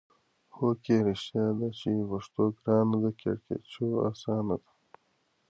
هو کې! رښتیا ده چې پښتو ګرانه ده کیړکیچو اسانه ده.